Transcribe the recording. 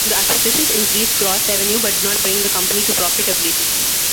The acquisitions increased gross revenue but did not bring the company to profitability.